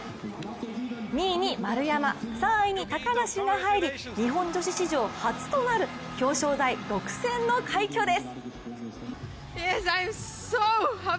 ２位に丸山、３位に高梨が入り、日本女子史上初となる表彰台独占の快挙です。